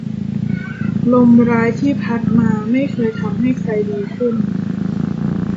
ลมร้ายที่พัดมาไม่เคยทำให้ใครดีขึ้น